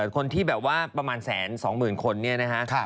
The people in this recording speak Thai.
คนที่แบบว่าประมาณแสนสองหมื่นคนนี่นะคะ